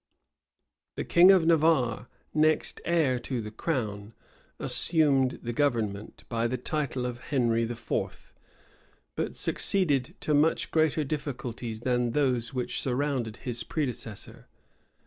The king of Navarre, next heir to the crown, assumed the government, by the title of Henry IV.; but succeeded to much greater difficulties than those which surrounded his predecessor.